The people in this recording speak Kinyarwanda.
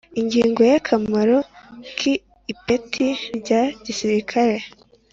Ingingo ya Akamaro k’ipeti rya gisirikari